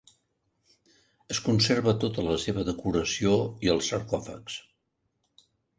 Es conserva tota la seva decoració i els sarcòfags.